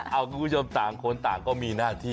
เอาคุณผู้ชมต่างคนต่างก็มีหน้าที่